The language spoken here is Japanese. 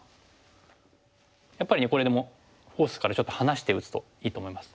やっぱりねこれでもフォースからちょっと離して打つといいと思います。